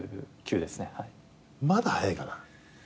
まだ早いかな。